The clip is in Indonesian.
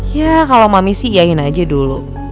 ya kalau mami sih yain aja dulu